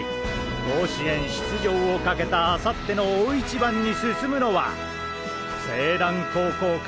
甲子園出場を懸けたあさっての大一番に進むのは勢南高校か！？